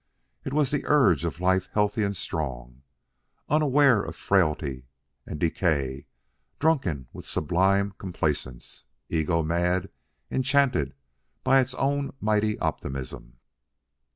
It was the urge of Life healthy and strong, unaware of frailty and decay, drunken with sublime complacence, ego mad, enchanted by its own mighty optimism.